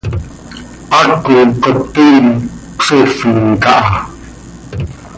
Haaco cop toii cösoofin caha.